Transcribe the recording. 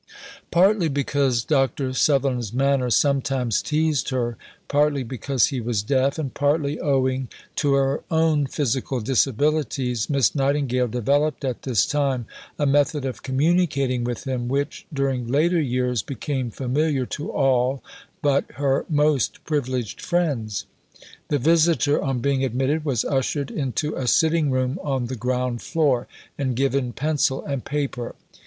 See Vol. I. pp. 370, 383. Partly because Dr. Sutherland's manner sometimes teased her, partly because he was deaf, and partly owing to her own physical disabilities, Miss Nightingale developed at this time a method of communicating with him which, during later years, became familiar to all but her most privileged friends. The visitor on being admitted was ushered into a sitting room on the ground floor, and given pencil and paper.